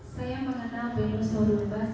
saya mengenal venusor lumpas